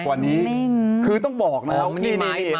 นักกว่านี้คือต้องบอกนะครับ